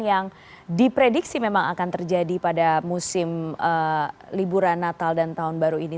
yang diprediksi memang akan terjadi pada musim liburan natal dan tahun baru ini